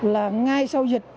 là ngay sau dịch